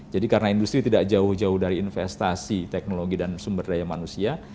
jadi karena industri tidak jauh jauh dari investasi teknologi dan sumber daya manusia